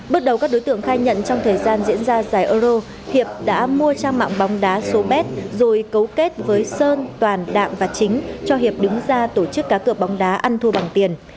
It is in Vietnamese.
bước đầu các đối tượng khai nhận trong thời gian diễn ra giải euro hiệp đã mua trang mạng bóng đá số bt rồi cấu kết với sơn toàn đạm và chính cho hiệp đứng ra tổ chức cá cược bóng đá ăn thua bằng tiền